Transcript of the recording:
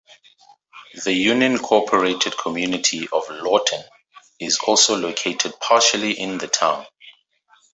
The unincorporated community of Lawton is also located partially in the town.